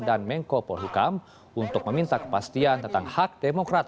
dan mengko polhukam untuk meminta kepastian tentang hak demokrat